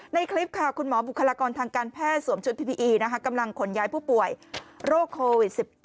ในคลิปค่ะคุณหมอบุคลากรทางการแพทย์สวมชุดพีพีอีกำลังขนย้ายผู้ป่วยโรคโควิด๑๙